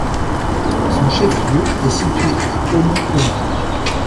Son chef-lieu est situé à Aumont-Aubrac.